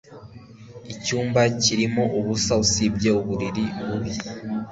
Icyumba cyarimo ubusa usibye uburiri bubi.